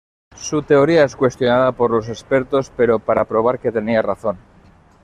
Su teoría es cuestionada por los expertos pero para probar que tenía razón.